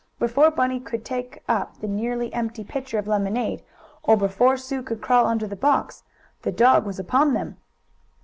Before Bunny could take up the nearly empty pitcher of lemonade, or before Sue could crawl under the box, the dog was upon them.